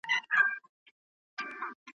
چي یې زور د مټو نه وي تل زبون دی .